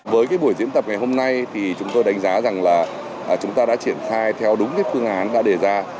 với buổi diễn tập ngày hôm nay chúng tôi đánh giá rằng là chúng ta đã triển khai theo đúng phương án đã đề ra